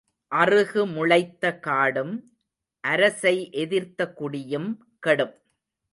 அறுகு முளைத்த காடும் அரசை எதிர்த்த குடியும் கெடும்.